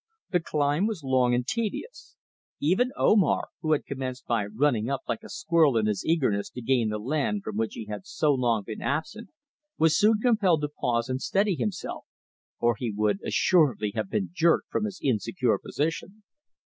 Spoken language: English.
The climb was long and tedious. Even Omar, who had commenced by running up like a squirrel in his eagerness to gain the land from which he had so long been absent, was soon compelled to pause and steady himself, or he would assuredly have been jerked from his insecure position.